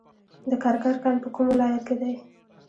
د کرکر کان په کوم ولایت کې دی؟